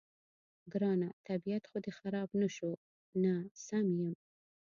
ګرانه، طبیعت خو دې خراب نه شو؟ نه، سم یم.